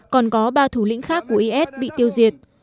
còn có ba thủ lĩnh khác của is bị tiêu diệt